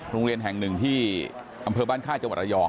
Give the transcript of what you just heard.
โรงเรียนแห่งหนึ่งที่อำเภอบ้านค่ายจังหวัดระยอง